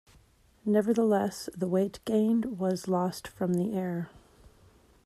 Nevertheless, the weight gained was lost from the air.